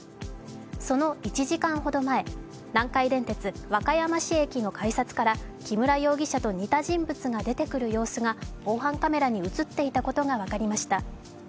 その１時間ほど前、南海電鉄・和歌山市駅の改札から木村容疑者と似た人物が出てくる様子が防犯カメラに映っていたことが分かりました。